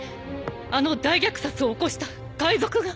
あの大虐殺を起こした海賊が！？